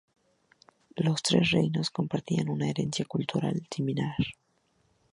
Los tres reinos compartían una herencia cultural similar.